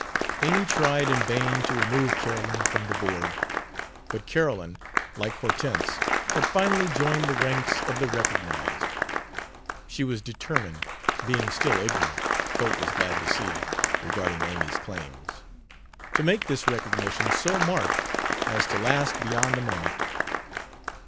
Amy tried in vain to remove Carolyn from the board. But Carolyn, like Hortense, had finally joined the ranks of the "recognized"; she was determined (being still ignorant, Cope was glad to see, regarding Amy's claims) to make this recognition so marked as to last beyond the moment.